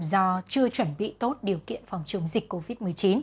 do chưa chuẩn bị tốt điều kiện phòng chống dịch covid một mươi chín